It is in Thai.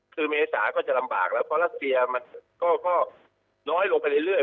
คือเมษาก็จะลำบากแล้วเพราะรัสเซียมันก็น้อยลงไปเรื่อย